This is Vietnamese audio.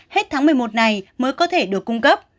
hết tháng một mươi một này mới có thể được cung cấp